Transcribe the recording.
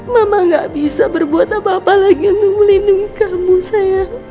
mama gak bisa berbuat apa apa lagi untuk melindungi kamu saya